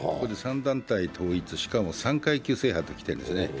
３団体統一、しかも３階級制覇ときてるんですね。